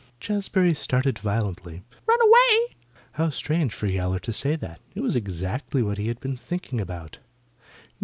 Jazbury started violently. "Run away!" How strange for Yowler to say that. It was exactly the thing he had been thinking about.